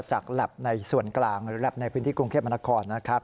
จากหลับในส่วนกลางหรือหลับในพื้นที่กรงเทพมนาคอร์นะครับ